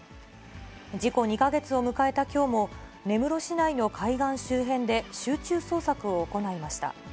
事故２か月を迎えたきょうも、根室市内の海岸周辺で集中捜索を行いました。